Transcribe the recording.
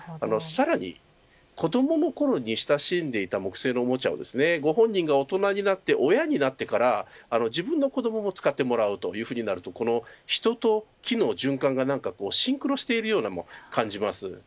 さらに、子どものころに親しんでいた木製のおもちゃをご本人が大人になって親になってから自分の子どもにも使ってもらおうとなると人と木の循環がシンクロしているようにも感じます。